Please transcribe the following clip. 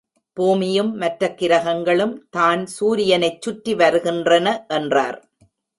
பூமியும் மற்ற கிரகங்களும் தான் சூரியனைச் சுற்றி வருகின்றன என்றார்.